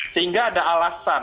sehingga ada alasan